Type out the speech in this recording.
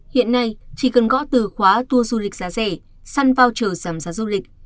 hiện nay chỉ cần gõ từ khóa tour du lịch giá rẻ săn voucher giảm giá du lịch